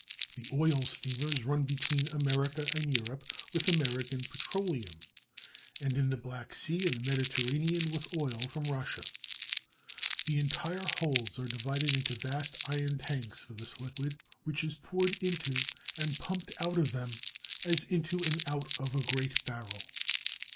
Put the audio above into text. The oil steamers run between America and Europe with American petroleum, and in the Black Sea and the Mediterranean with oil from Russia; the entire holds are divided into vast iron tanks for this liquid, which is poured into and pumped out of them as into and out of a great barrel.